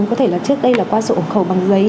có thể là trước đây là qua sổ ổ khẩu bằng giấy